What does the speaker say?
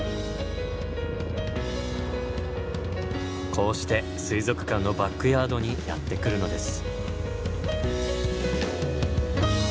こうして水族館のバックヤードにやって来るのです。